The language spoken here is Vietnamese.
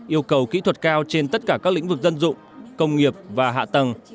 yêu cầu kỹ thuật cao trên tất cả các lĩnh vực dân dụng công nghiệp và hạ tầng